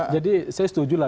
jadi saya setuju lah